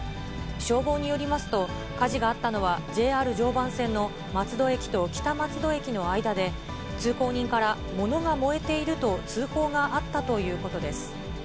消防によりますと、火事があったのは、ＪＲ常磐線の松戸駅と北松戸駅の間で、通行人から、ものが燃えていると通報があったということです。